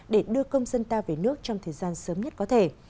để đưa công dân ta về nước trong thời gian sớm nhất có thể